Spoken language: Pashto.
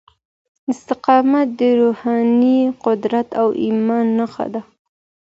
استقامت د روحاني قوت او ايمان نښه ده.